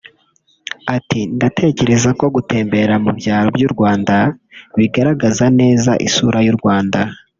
ati “Ndatekereza ko gutembere mu byaro by’u Rwanda bigaragaza neza isura y’u Rwanda